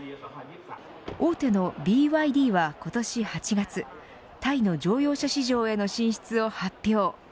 大手のＢＹＤは今年８月タイの乗用車市場への進出を発表。